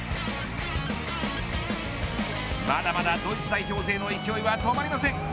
まだまだドイツ代表勢の勢いは止まりません。